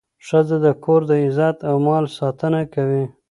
ښځه د کور د عزت او مال ساتنه کوي.